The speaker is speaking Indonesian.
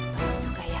bagus juga ya